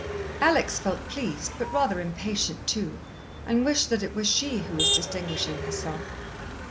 Alex felt pleased, but rather impatient too, and wished that it were she who was distinguishing herself.